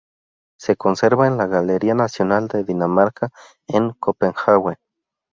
Se conserva en la Galería Nacional de Dinamarca en Copenhague.